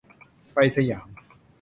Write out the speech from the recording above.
ไป สยาม